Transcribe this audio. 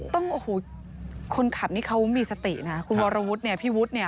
โอ้โหคนขับนี่เขามีสตินะคุณวรวุฒิเนี่ยพี่วุฒิเนี่ย